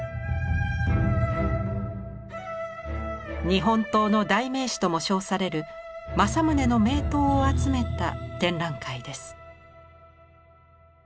日本刀の代名詞とも称される正宗の名刀を集めた展覧会です。